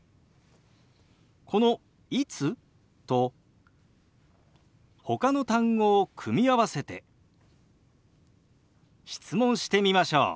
この「いつ？」とほかの単語を組み合わせて質問してみましょう。